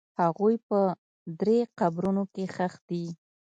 هغوی په درې قبرونو کې ښخ دي.